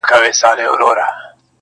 o خپل پر تنگسه په کارېږي٫